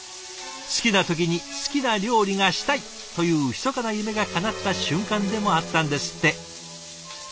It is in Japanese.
「好きな時に好きな料理がしたい！」というひそかな夢がかなった瞬間でもあったんですって。